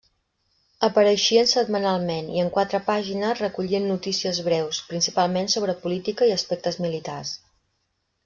Apareixien setmanalment i en quatre pàgines recollien notícies breus, principalment sobre política i aspectes militars.